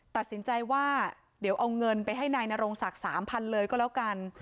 ตัดสินใจว่าเดี๋ยวเอาเงินไปให้นายนโรงศักดิ์๓๐๐เลยก็แล้วกัน